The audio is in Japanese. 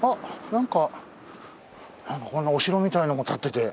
なんかこんなお城みたいのも立ってて。